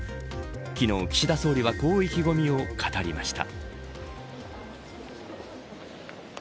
昨日、岸田総理はこう意気込みを語りました。